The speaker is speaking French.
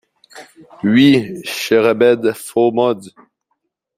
Ui, che rebède fos mods...